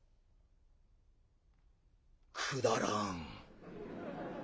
「くだらん。